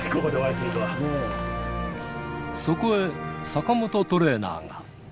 そこへ、坂本トレーナーが。